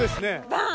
バン！